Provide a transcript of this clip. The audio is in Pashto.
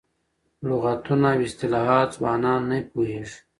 لغتونه او اصطلاحات ځوانان نه پوهېږي.